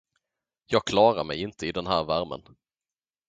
Jag klarar mig inte i den här värmen.